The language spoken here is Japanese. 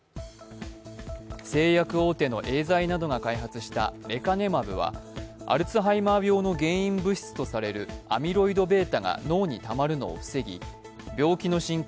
製薬大手のエーザイなどが開発したレカネマブはアルツハイマー病の原因物質とされるアミロイドβが脳にたまるのを防ぎ、病気の進行